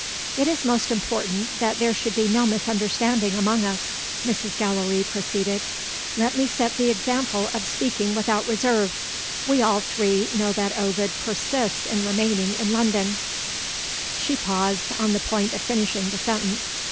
"It is most important that there should be no misunderstanding among us," Mrs. Gallilee proceeded. "Let me set the example of speaking without reserve. We all three know that Ovid persists in remaining in London " She paused, on the point of finishing the sentence.